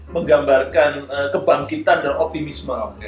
menggambarkan kebangkitan dan optimisme